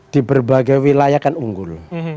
di berbagai wilayah kan unggul